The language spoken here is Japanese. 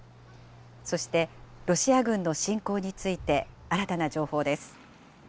そして、ロシア軍の侵攻について、新たな情報です。